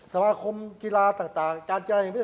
สมาคมกีฬาต่างการกีฬาอย่างนี้